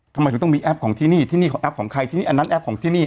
ทำไมถึงต้องมีแอปของที่นี่ที่นี่ของแอปของใครที่นี่อันนั้นแป๊ปของที่นี่